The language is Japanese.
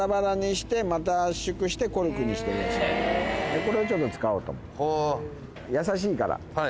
これをちょっと使おうと。